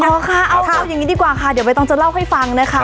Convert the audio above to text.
ค่ะเอาอย่างนี้ดีกว่าค่ะเดี๋ยวใบตองจะเล่าให้ฟังนะคะ